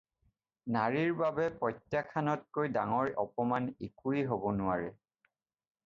নাৰীৰ বাবে প্ৰত্যাখ্যানতকৈ ডাঙৰ অপমান একোৱেই হ'ব নোৱাৰে।